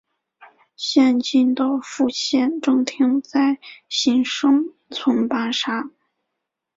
现今的副县政厅在新生村巴刹。